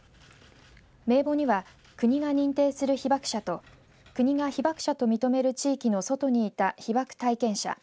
名簿には国が認定する被爆者と国が被爆者と認める地域の外にいた被爆体験者。